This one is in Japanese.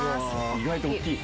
意外と大きい。